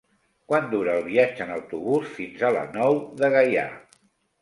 Quant dura el viatge en autobús fins a la Nou de Gaià?